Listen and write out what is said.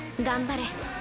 頑張れ。